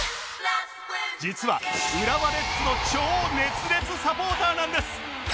実は浦和レッズの超熱烈サポーターなんです